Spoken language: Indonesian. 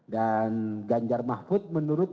dan ganjar mahfud menurut